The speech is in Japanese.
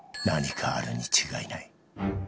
何かあるに違いない